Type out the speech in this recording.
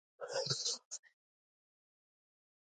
د شېخ قاسم مور نېکبخته نومېده.